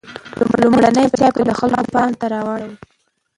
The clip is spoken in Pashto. لومړنی چاپ یې د خلکو پام ځانته راواړاوه.